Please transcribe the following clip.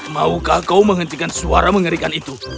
maukah kau menghentikan suara mengerikan itu